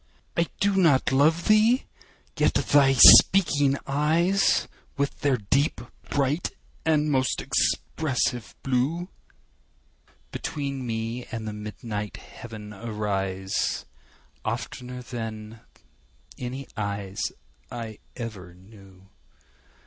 I do not love thee!—yet thy speaking eyes, With their deep, bright, and most expressive blue, Between me and the midnight heaven arise, 15 Oftener than any eyes I ever knew.